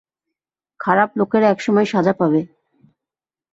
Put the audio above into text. খারাপ লোকেরা একসময় সাজা পাবে।